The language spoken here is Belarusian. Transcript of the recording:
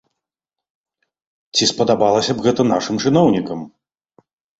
Ці спадабалася б гэта нашым чыноўнікам?